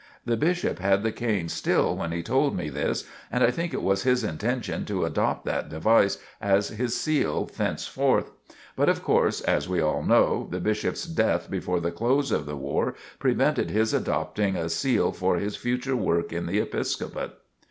The Bishop had the cane still when he told me this, and I think it was his intention to adopt that device as his seal thenceforth. But, of course, as we all know, the Bishop's death before the close of the war prevented his adopting a seal for his future work in the Episcopate.